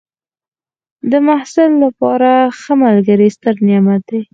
د محصل لپاره ښه ملګری ستر نعمت دی.